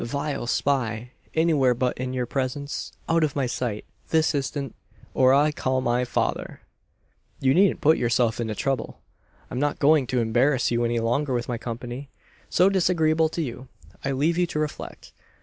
"Vile spy! Anywhere but in your presence! Out of my sight! This instant, or I call my father!" "You needn't put yourself to the trouble. I'm not going to embarrass you any longer with my company so disagreeable to you. I leave you to reflect.